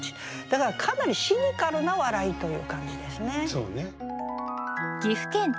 だからかなりシニカルな笑いという感じですね。